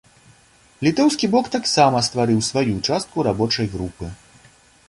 Літоўскі бок таксама стварыў сваю частку рабочай групы.